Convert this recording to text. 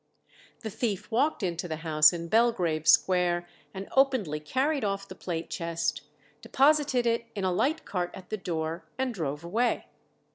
The thief walked into the house in Belgrave Square, and openly carried off the plate chest, deposited it in a light cart at the door, and drove away.